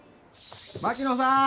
槙野さん